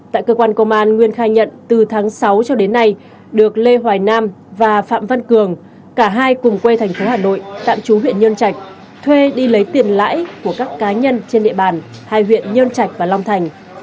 tại cơ quan công an nguyên khai nhận từ tháng sáu cho đến nay được lê hoài nam và phạm văn cường cả hai cùng quê thành phố hà nội tạm chú huyện nhân trạch thuê đi lấy tiền lãi của các cá nhân trên địa bàn hai huyện nhơn trạch và long thành